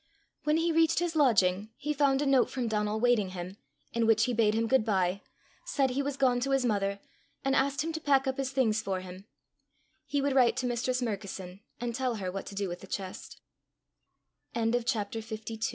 When he reached his lodging, he found a note from Donal waiting him, in which he bade him good bye, said he was gone to his mother, and asked him to pack up his things for him: he would write to Mistress Murkison and tell her what to do with the chest. CHAPTER LIII. A NIGHT WATCH.